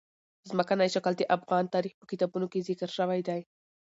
ځمکنی شکل د افغان تاریخ په کتابونو کې ذکر شوي دي.